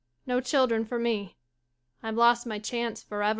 No children for me. I've lost my chance for ever.